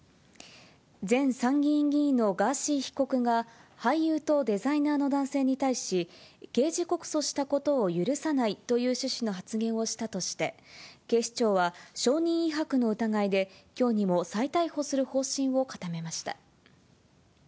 前参議院議員のガーシー被告が、俳優とデザイナーの男性に対し、刑事告訴したことを許さないという趣旨の発言をしたとして、警視庁は証人威迫の疑いで、きょうにも再逮捕する方針を固めました。